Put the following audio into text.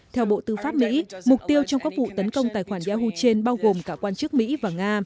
theo bộ tư pháp mỹ mục tiêu trong các vụ tấn công tài khoản yahu trên bao gồm cả quan chức mỹ và nga